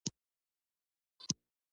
حکومتونو مرسته راسره کړې وه.